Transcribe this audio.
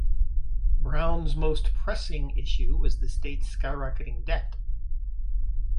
Brown's most pressing issue was the state's skyrocketing debt.